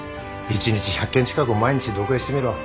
一日１００件近くも毎日読影してみろ。